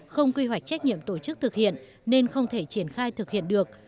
không quy hoạch trách nhiệm tổ chức thực hiện nên không thể triển khai thực hiện được